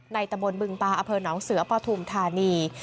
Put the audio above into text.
ในตะบนบึงบาอเสือปฐุมธานี